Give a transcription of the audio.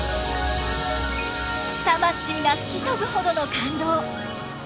魂がふきとぶほどの感動！